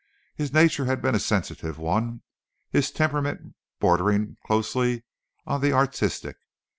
His nature had been a sensitive one, his temperament bordering closely on the artistic.